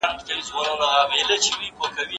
ایا سړی به له کبابي څخه د پیازو او ترکارۍ غوښتنه وکړي؟